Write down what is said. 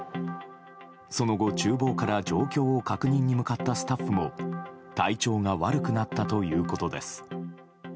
その後、厨房から状況を確認に向かったスタッフも体調が悪くなったということです。